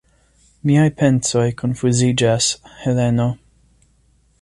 Miaj pensoj konfuziĝas, Heleno.